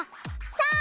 さあ！